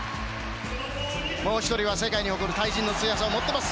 もう１人は世界に誇る対人の強さを持っています